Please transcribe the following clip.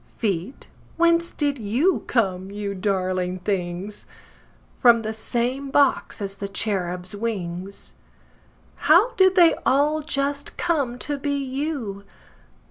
Feet, whence did you come, you darling things? From the same box as the cherubs' wings. How did they all just come to be you?